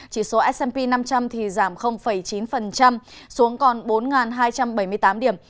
chỉ số s p năm trăm linh thì giảm chín xuống còn bốn hai trăm năm mươi điểm